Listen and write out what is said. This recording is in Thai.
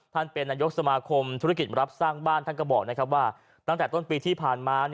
เป็นนายกสมาคมธุรกิจรับสร้างบ้านท่านก็บอกว่าตั้งแต่ต้นปีที่ผ่านมา